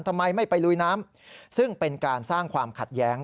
ทำไมไม่ไปลุยน้ำซึ่งเป็นการสร้างความขัดแย้ง